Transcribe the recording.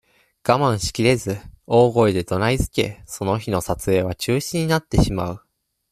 我慢しきれず、大声で怒鳴りつけ、その日の撮影は中止になってしまう。